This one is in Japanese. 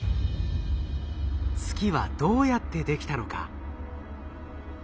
月はどうやってできたのか？